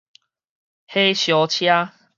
火燒車